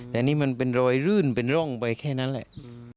แต่นี่มันเป็นรอยรื่นเป็นร่องไปแค่นั้นแหละ